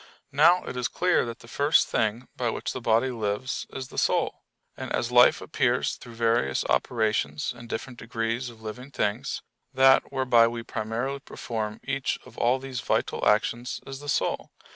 Now it is clear that the first thing by which the body lives is the soul. And as life appears through various operations in different degrees of living things, that whereby we primarily perform each of all these vital actions is the soul.